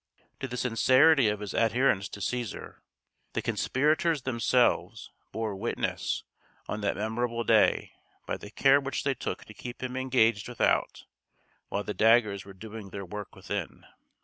To the sincerity of his adherence to Cæsar, the conspirators themselves bore witness on that memorable day, by the care which they took to keep him engaged without, while the daggers were doing their work within.